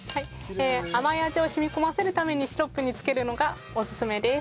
甘い味を染み込ませるためにシロップに漬けるのがおすすめです。